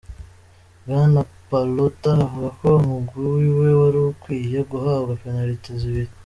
Bwana Pallotta avuga ko umugwi wiwe warukwiye guhabwa penaliti zibiri.